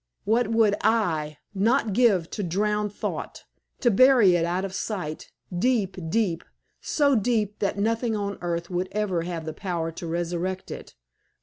what would I not give to drown thought to bury it out of sight deep, deep so deep that nothing on earth would ever have the power to resurrect it!